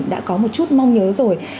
đã có một chút mong nhớ rồi